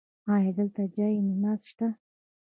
ایا دلته جای نماز شته؟